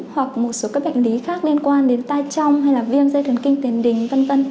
hoặc một số cái bệnh lý khác liên quan đến tai trong hay là viêm dây thường kinh tiền đình v v